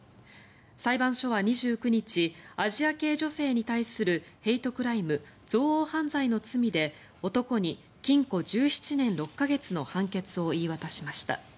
裁判所は２９日アジア系女性に対するヘイトクライム・憎悪犯罪の罪で男に禁錮１７年６か月の判決を言い渡しました。